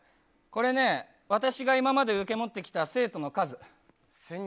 これね、私が今まで受け持ってきた生徒の数。